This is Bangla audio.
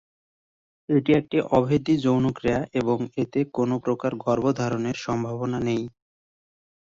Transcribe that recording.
এটি একটি অভেদী-যৌনক্রিয়া এবং এতে কোন প্রকার গর্ভধারণের সম্ভাবনা নেই।